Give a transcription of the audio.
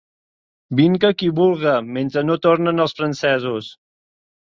Vinga qui vulga, mentre no tornen els francesos.